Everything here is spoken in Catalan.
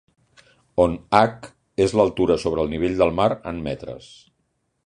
On "h" és l'altura sobre el nivell del mar en metres.